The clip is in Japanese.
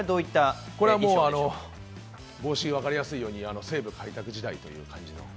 帽子、分かりやすいように、西部開拓時代という感じです。